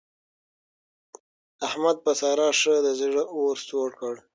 احمد په سارا ښه د زړه اور سوړ کړ.